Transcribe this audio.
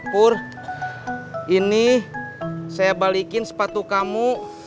pur ini saya balikin sepatu kamu